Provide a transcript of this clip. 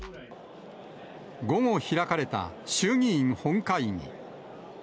午後開かれた衆議院本会議。